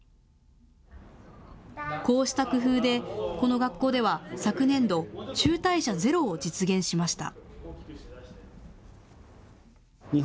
こうした工夫でこの学校では昨年度、中退者ゼロを実現しました。